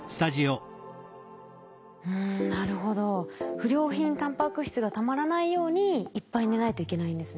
不良品タンパク質がたまらないようにいっぱい寝ないといけないんですね。